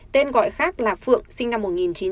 tên gọi khác là phượng sinh năm một nghìn chín trăm tám mươi